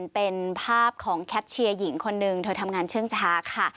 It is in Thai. เป็นภาพของแคทเชียร์หญิงคนหนึ่งเธอทำงานเชื่องช้าค่ะ